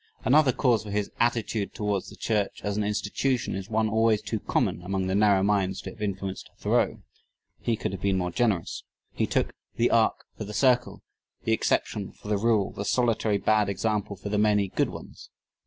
Another cause for his attitude towards the church as an institution is one always too common among "the narrow minds" to have influenced Thoreau. He could have been more generous. He took the arc for the circle, the exception for the rule, the solitary bad example for the many good ones.